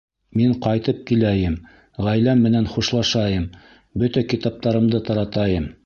Мин ҡайтып киләйем, ғаиләм менән хушлашайым, бөтә китаптарымды таратайым.